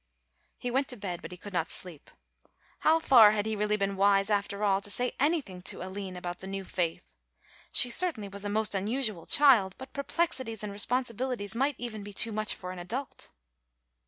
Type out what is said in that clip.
He went to bed, but he could not sleep. How far had he really been wise after all, to say anything to Aline about the new faith? She certainly was a most unusual child, but perplexities and responsibilities might even be too much for an adult.